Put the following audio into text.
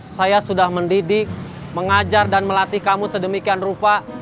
saya sudah mendidik mengajar dan melatih kamu sedemikian rupa